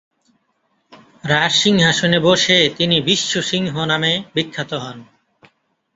রাজসিংহাসনে বসে তিনি বিশ্ব সিংহ নামে বিখ্যাত হন।